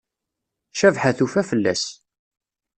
Cabḥa tufa fell-as.